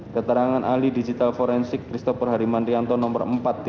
keterangan ahli digital forensik christopher harimantianto nomor empat sebelas